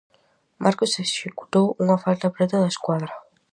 Marcos executou unha falta preto da escuadra.